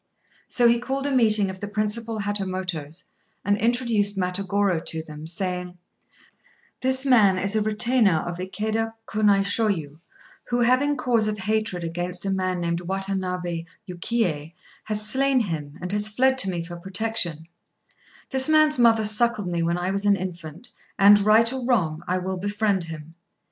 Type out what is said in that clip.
So he called a meeting of the principal Hatamotos, and introduced Matagorô to them, saying "This man is a retainer of Ikéda Kunaishôyu, who, having cause of hatred against a man named Watanabé Yukiyé, has slain him, and has fled to me for protection; this man's mother suckled me when I was an infant, and, right or wrong, I will befriend him.